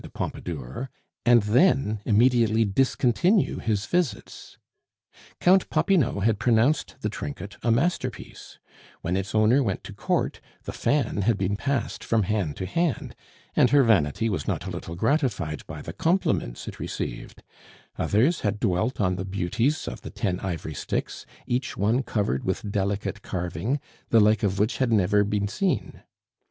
de Pompadour, and then immediately discontinue his visits. Count Popinot had pronounced the trinket a masterpiece; when its owner went to Court, the fan had been passed from hand to hand, and her vanity was not a little gratified by the compliments it received; others had dwelt on the beauties of the ten ivory sticks, each one covered with delicate carving, the like of which had never been seen.